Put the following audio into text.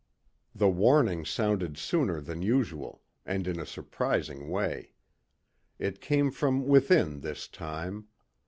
The warning sounded sooner than usual, and in a surprising way. It came from within this time.